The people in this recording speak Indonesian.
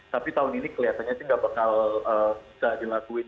tapi tahun ini kelihatannya sih nggak bakal bisa dilakuin